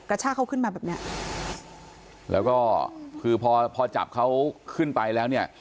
ชาเขาขึ้นมาแบบเนี้ยแล้วก็คือพอพอจับเขาขึ้นไปแล้วเนี่ย